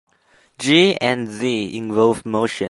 J and Z involve motion.